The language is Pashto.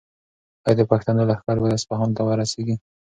ایا د پښتنو لښکر به اصفهان ته ورسیږي؟